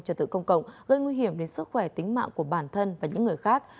trật tự công cộng gây nguy hiểm đến sức khỏe tính mạng của bản thân và những người khác